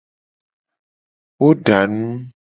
Wo da nu.